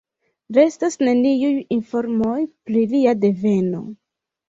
Restas neniuj informoj pri lia deveno.